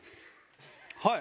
はい。